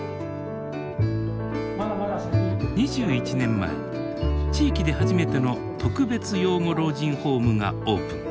２１年前地域で初めての特別養護老人ホームがオープン。